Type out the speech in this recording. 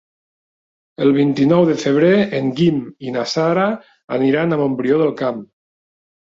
El vint-i-nou de febrer en Guim i na Sara aniran a Montbrió del Camp.